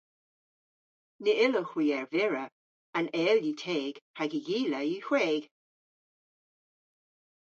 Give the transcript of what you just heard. Ny yllowgh hwi ervira. An eyl yw teg hag y gila yw hweg.